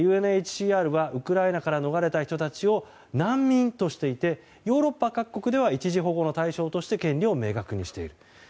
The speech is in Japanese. ＵＮＨＣＲはウクライナから逃れた人たちを難民としていてヨーロッパ各国では一時保護の対象として権利を明確にしている。